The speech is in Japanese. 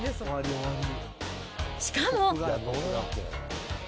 しかも。